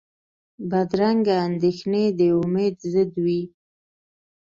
بدرنګه اندېښنې د امید ضد وي